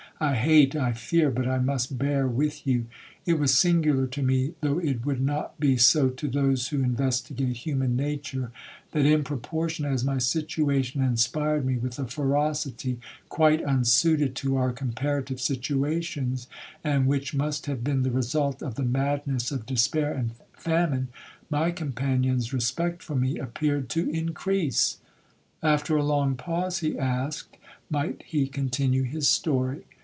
I hate,—I fear, but I must bear with you.' It was singular to me, though it would not be so to those who investigate human nature, that, in proportion as my situation inspired me with a ferocity quite unsuited to our comparative situations, and which must have been the result of the madness of despair and famine, my companion's respect for me appeared to increase. After a long pause, he asked, might he continue his story?